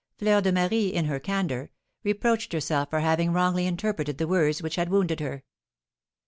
Fleur de Marie, in her candour, reproached herself for having wrongly interpreted the words which had wounded her.